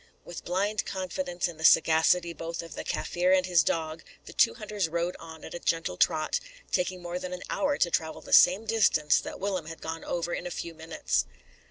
With blind confidence in the sagacity both of the Kaffir and his dog, the two hunters rode on at a gentle trot, taking more than an hour to travel the same distance that Willem had gone over in a few minutes.